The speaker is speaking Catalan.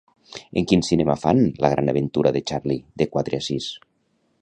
En quin cinema fan "La gran aventura de Charlie" de quatre a sis?